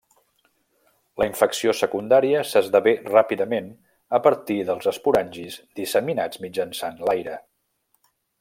La infecció secundària s'esdevé ràpidament a partir dels esporangis disseminats mitjançant l'aire.